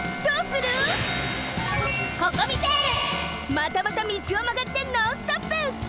またまた道をまがってノンストップ！